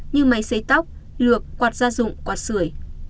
như máy xế tóc lược quạt da dụng quạt sửa